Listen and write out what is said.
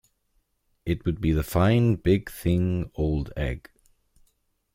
It would be the fine, big thing, old egg.